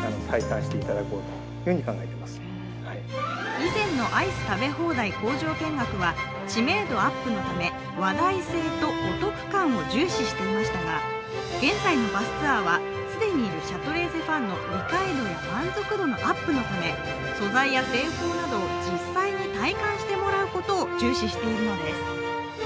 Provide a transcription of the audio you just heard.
以前のアイス食べ放題工場見学は知名度アップのため話題性とお得感を重視していましたが、現在のバスツアーは既にいるシャトレーゼファンの理解度や満足度のアップのため素材や製法などを実際に体感してもらうことを重視しているんです。